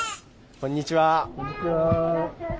こんにちは。